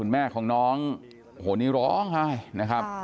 แม่ของน้องโอ้โหนี่ร้องค่ะ